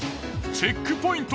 チェックポイント